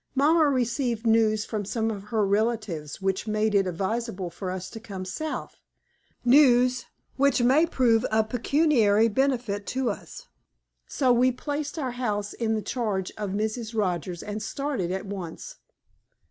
Mamma received news from some of her relatives which made it advisable for us to come South news which may prove of pecuniary benefit to us. So we placed our house in charge of Mrs. Rogers and started at once."